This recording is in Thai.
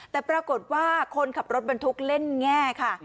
แต่ปรากฏว่าคนขับรถบรรทุกเล่นแง่ค่ะ